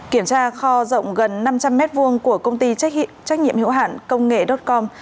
kiểm tra kho rộng gần năm trăm linh m hai của công ty trách nhiệm hiệu hạn công nghệ dotcom